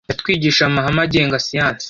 Yatwigishije amahame agenga siyansi